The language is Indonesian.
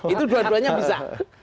itu dua duanya bisa